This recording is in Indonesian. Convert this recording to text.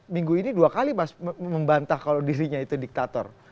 minggu ini dua kali mas membantah kalau dirinya itu diktator